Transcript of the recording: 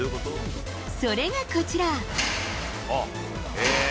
それがこちら。